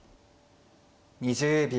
２０秒。